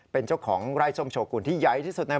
เป็นเจ้าของไร่ส้มโชกุลที่ใหญ่ที่สุดใน